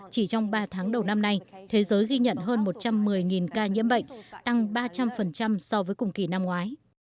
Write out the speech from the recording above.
chỉ trong ba tháng đầu năm nay thế giới ghi nhận hơn một trăm một mươi ca nhiễm bệnh tăng ba trăm linh so với cùng kỳ năm ngoái